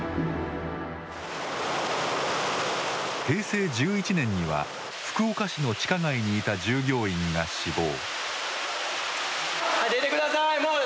平成１１年には福岡市の地下街にいた従業員が死亡。